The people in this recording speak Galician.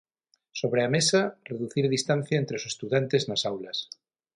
Sobre a mesa, reducir a distancia entre os estudantes nas aulas.